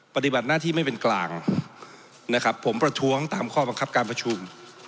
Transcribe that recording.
ปฏิบัติหน้าที่ไม่เป็นกลางนะครับผมประท้วงตามข้อบังคับการประชุม